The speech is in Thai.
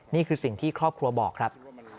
นี่คือสิ่งที่ครอบครัวบอกครับ